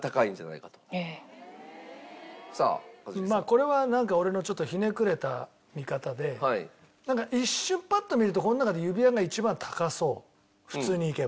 これは俺のひねくれた見方で一瞬パッと見るとこの中で指輪が一番高そう普通にいけば。